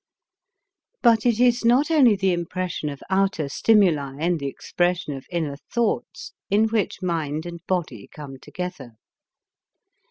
But it is not only the impression of outer stimuli and the expression of inner thoughts in which mind and body come together.